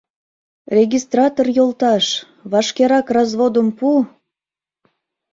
Регистратор йолташ, вашкерак разводым пу!